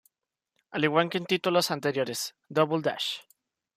Al igual que en títulos anteriores, "Double Dash!!